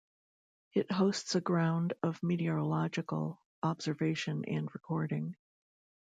It hosts a ground of meteorological observation and recording.